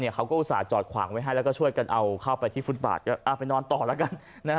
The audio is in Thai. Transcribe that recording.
อุตส่าห์จอดขวางไว้ให้แล้วก็ช่วยกันเอาเข้าไปที่ฟุตบาทไปนอนต่อแล้วกัน